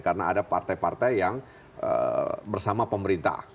karena ada partai partai yang bersama pemerintah